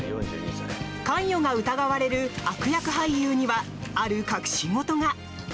関与が疑われる悪役俳優にはある隠し事が。